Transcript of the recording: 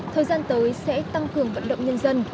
thời gian tới sẽ tăng cường vận động nhân dân